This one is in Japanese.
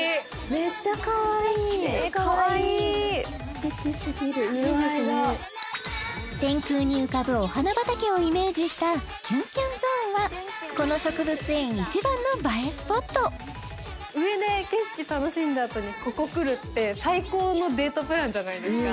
めっちゃかわいいえかわいいすてきすぎる天空に浮かぶお花畑をイメージしたキュンキュンゾーンはこの植物園上で景色楽しんだあとにここ来るって最高のデートプランじゃないですか？